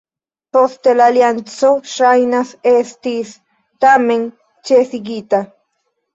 Poste, la alianco ŝajnas estis tamen ĉesigita.